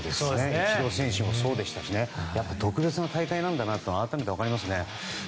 イチロー選手もそうでしたしね特別な大会なんだなと改めて思いますね。